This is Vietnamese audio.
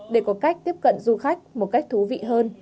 để có cách tiếp cận du khách một cách thú vị hơn